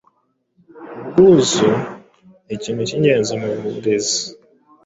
Ubwuzu ni ikintu cy’ingenzi mu burezi.